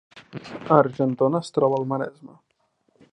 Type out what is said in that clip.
Argentona es troba al Maresme